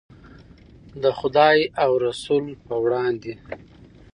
د خدای او رسول په وړاندې.